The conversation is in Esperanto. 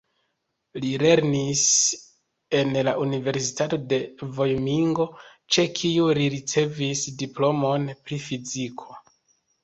Li lernis en la Universitato de Vajomingo, ĉe kiu li ricevis diplomon pri fiziko.